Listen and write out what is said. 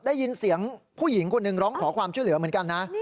ได้ยินเสียงผู้หญิงคนหนึ่งร้องขอความช่วยเหลือเหมือนกันนะ